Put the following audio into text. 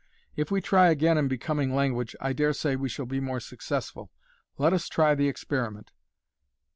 If we try again in becoming language, I dare say we shall be more successful. Let us try the experiment.